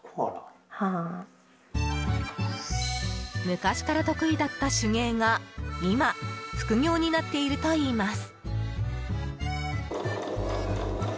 昔から得意だった手芸が今、副業になっているといいます。